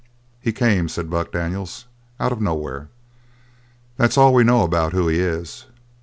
"He came," said Buck Daniels, "out of nowhere. That's all we know about who he is.